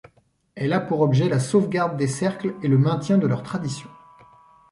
Elle a pour objet la sauvegarde des cercles et le maintien de leurs traditions.